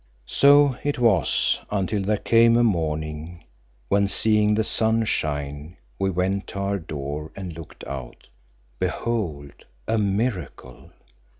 So it was, until there came a morning when seeing the sun shine, we went to our door and looked out. Behold a miracle!